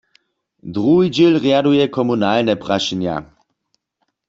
Druhi dźěl rjaduje komunalne prašenja.